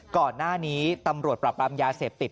ก่อนหน้านี้ตำรวจปรับปรามยาเสพติด